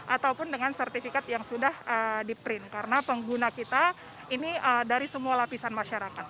ataupun dengan sertifikat yang sudah di print karena pengguna kita ini dari semua lapisan masyarakat